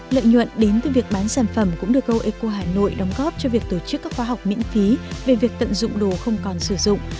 lợi nhuận đến từ việc bán sản phẩm cũng được go eco hà nội đóng góp cho việc tổ chức các khoa học miễn phí về việc tận dụng đồ không còn sử dụng